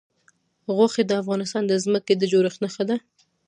غوښې د افغانستان د ځمکې د جوړښت نښه ده.